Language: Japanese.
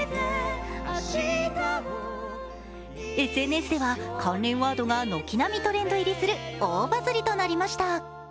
ＳＮＳでは関連ワードが軒並みトレンドする大バズリとなりました。